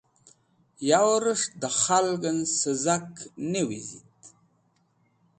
Yawrẽs̃h dẽ khalgẽn sẽzak ne wizit.